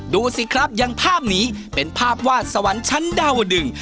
ดูสิครับอย่างภาพนี้เป็นภาพวาดสวรรค์ชั้นดาวดึง